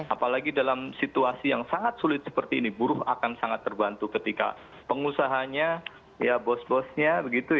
apalagi dalam situasi yang sangat sulit seperti ini buruh akan sangat terbantu ketika pengusahanya ya bos bosnya begitu ya